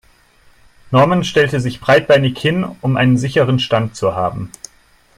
Norman stellte sich breitbeinig hin, um einen sicheren Stand zu haben.